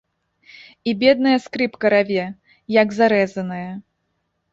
І бедная скрыпка раве, як зарэзаная.